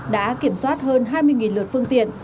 đã kiểm soát hơn hai mươi lượt phương tiện